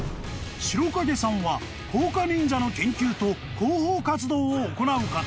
［白影さんは甲賀忍者の研究と広報活動を行う方］